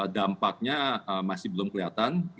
dampaknya masih belum kelihatan